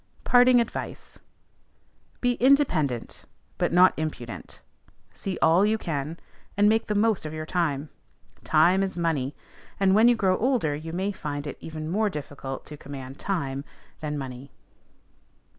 PARTING ADVICE. Be independent, but not impudent. See all you can, and make the most of your time; "time is money;" and, when you grow older, you may find it even more difficult to command time than money.